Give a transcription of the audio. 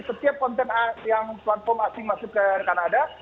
setiap konten yang platform asing masuk ke kanada